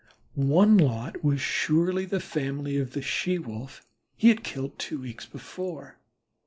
One lot was surely the family of the She wolf he had killed two weeks before.